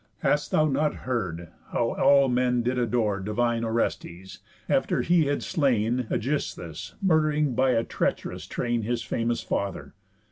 Hast thou not heard, how all men did adore Divine Orestes, after he had slain Ægisthus murd'ring by a treach'rous train His famous father?